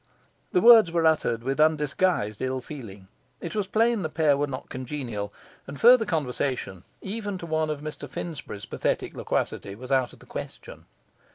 The words were uttered with undisguised ill feeling; it was plain the pair were not congenial, and further conversation, even to one of Mr Finsbury's pathetic loquacity, was out of the question.